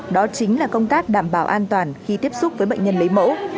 đó chính là công tác đảm bảo an toàn khi tiếp xúc với bệnh nhân lấy mẫu